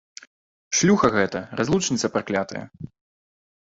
Шлюха гэта, разлучніца праклятая!